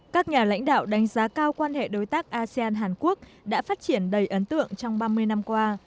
các nhà lãnh đạo đánh giá cao quan hệ đối tác asean hàn quốc đã phát triển đầy ấn tượng trong ba mươi năm qua